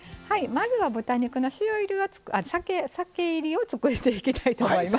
まずは豚肉の塩いりをあ酒いりを作っていきたいと思います。